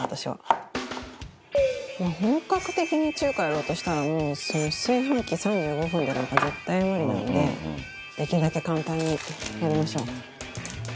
本格的に中華やろうとしたらもう炊飯器３５分でなんか絶対無理なんでできるだけ簡単にやりましょう。